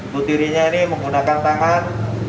putirinya ini menggunakan tangan